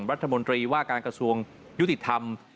รัฐมนตรีว่าการกระทรวงยุติธรรม